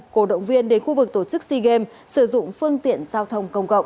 cổ động viên đến khu vực tổ chức sea games sử dụng phương tiện giao thông công cộng